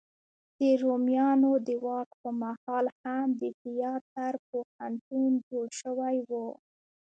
د رومیانو د واک په مهال هم د تیاتر پوهنتون جوړ شوی و.